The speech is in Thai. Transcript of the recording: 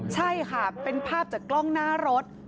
ใช่ค่ะเป็นภาพจากกล้องหน้ารถ